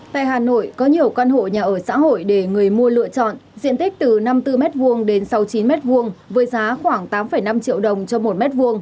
tại hà nội có nhiều căn hộ nhà ở xã hội để người mua lựa chọn diện tích từ năm mươi bốn m hai đến sáu mươi chín m hai với giá khoảng tám năm triệu đồng cho một m hai